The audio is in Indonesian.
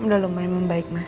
udah lumayan membaik mas